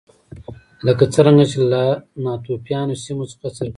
لکه څرنګه چې له ناتوفیانو سیمو څخه څرګندېږي